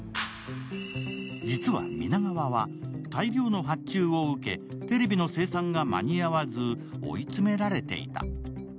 実は皆川は、大量の発注を受けテレビの生産が間に合わず追い詰められていた。